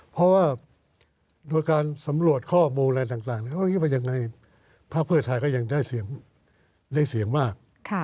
เพราะว่าโดยการสำรวจข้อมูลอะไรต่างพระเภทไทยก็ยังได้เสี่ยงมาก